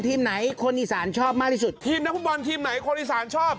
ทีมไหนคนอีสานชอบมากที่สุดทีมนักฟุตบอลทีมไหนคนอีสานชอบ